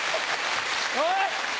おい！